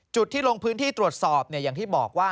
ที่ลงพื้นที่ตรวจสอบอย่างที่บอกว่า